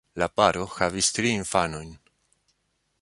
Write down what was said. La paro havis tri infanojn.